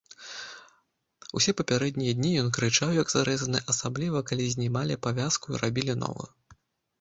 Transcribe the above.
Усе папярэднія дні ён крычаў, як зарэзаны, асабліва калі знімалі павязку і рабілі новую.